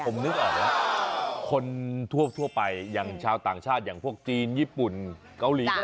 ผมนึกออกแล้วคนทั่วไปอย่างชาวต่างชาติอย่างพวกจีนญี่ปุ่นเกาหลี